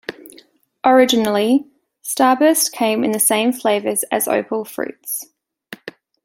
Originally, Starburst came in the same flavours as Opal Fruits.